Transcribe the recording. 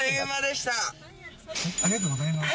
ありがとうございます。